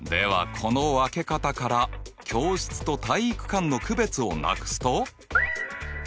この分け方から教室と体育館の区別をなくすと。